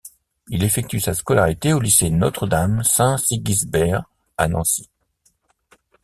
Il effectue sa scolarité au lycée Notre-Dame Saint-Sigisbert à Nancy.